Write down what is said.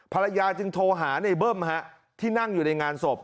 ภรรยาจึงโทรหาในเบิ้มที่นั่งอยู่ในงานศพ